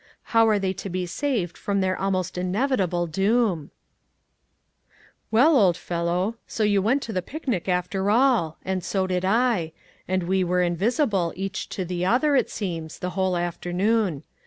How are they to be saved from their almost inevitable doom ? "Well, old fellow, so you went to the picnic after all ; and so did I ; and we were invisible, each to the other, it seems, the whole afternoon.